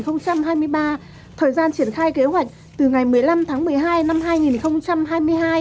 thời gian triển khai kế hoạch từ ngày một mươi năm tháng một mươi hai năm hai nghìn hai mươi hai